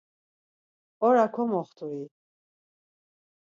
Ora komoxtu-i?